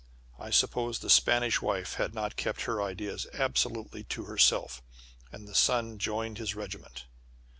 I suppose the Spanish wife had not kept her ideas absolutely to herself and the son joined his regiment.